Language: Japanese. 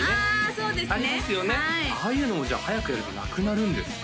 そうですねありますよねああいうのもじゃあ早くやるとなくなるんですかね？